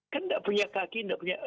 kan tidak punya kaki